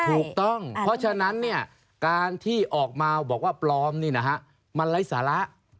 ถูกต้องเพราะฉะนั้นการที่ออกมาบอกว่าปลอมมันไร้สาระ